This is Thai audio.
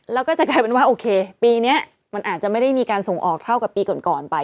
แล้วก็จะกลายเป็นว่าโอเคปีนี้มันอาจจะไม่ได้มีการส่งออกเท่ากับปีก่อนไป